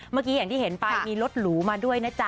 เมื่อกี้อย่างที่เห็นไปมีรถหรูมาด้วยนะจ๊